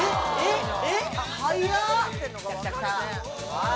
はい！